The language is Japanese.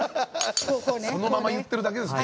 そのまま言ってるだけですね。